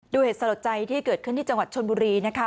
เหตุสลดใจที่เกิดขึ้นที่จังหวัดชนบุรีนะคะ